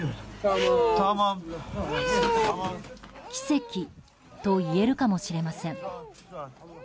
奇跡といえるかもしれません。